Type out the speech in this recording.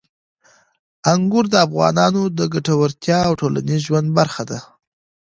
انګور د افغانانو د ګټورتیا او ټولنیز ژوند برخه ده.